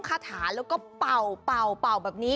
การการการเจ็บใจ